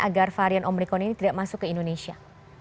agar varian omikron ini tidak masuk ke indonesia